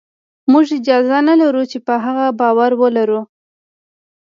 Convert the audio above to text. موږ اجازه نه لرو چې په هغه باور ولرو